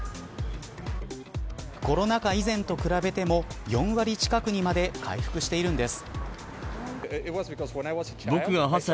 コロナ禍以前と比べても４割近くにまで回復しているんです。